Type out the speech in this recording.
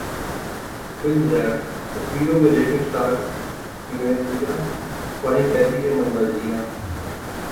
Film Wrap: तस्वीरों में देखें स्टार्स की गणेश पूजा, पढ़ें कैसी है मनमर्जियां